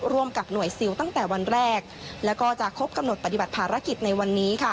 ร่วมกับหน่วยซิลตั้งแต่วันแรกแล้วก็จะครบกำหนดปฏิบัติภารกิจในวันนี้